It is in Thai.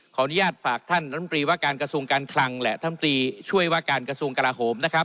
ขออนุญาตฝากท่านรัฐมนตรีว่าการกระทรวงการคลังและท่านตรีช่วยว่าการกระทรวงกลาโหมนะครับ